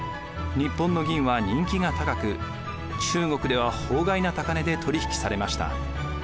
日本の銀は人気が高く中国では法外な高値で取り引きされました。